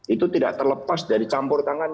itu tidak terlepas dari campur tangan